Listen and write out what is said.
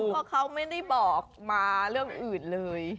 เพราะเขาไม่ได้บอกมาเรื่องอื่นเลย